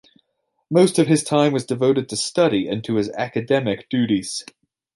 Most of his time was devoted to study and to his academic duties.